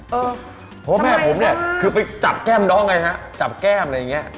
เพราะว่าแม่ผมเนี่ยคือไปจับแก้มน้องไงฮะจับแก้มอะไรอย่างนี้